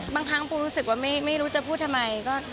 บางครั้งปูรู้สึกว่าไม่รู้จะพูดทำไม